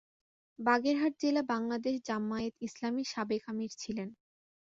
বাগেরহাট জেলা বাংলাদেশ জামায়াতে ইসলামীর সাবেক আমীর ছিলেন।